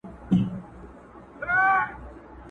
که زه مړ سوم ما به څوک په دعا یاد کي!!